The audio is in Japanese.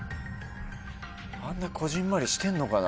あんなこぢんまりしてんのかな？